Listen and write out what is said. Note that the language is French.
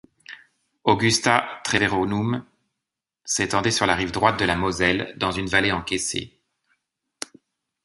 Augusta Treverorum s'étendait sur la rive droite de la Moselle, dans une vallée encaissée.